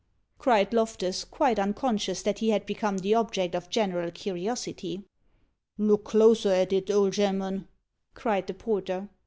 cried Loftus, quite unconscious that he had become the object of general curiosity. "Look closer at it, old gem'man," cried the porter.